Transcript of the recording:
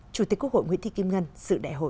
chủ tịch quốc hội nguyễn thị kim ngân sự đại hội